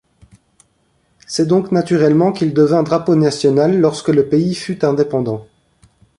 C'est donc naturellement qu'il devint drapeau national lorsque le pays fut indépendant.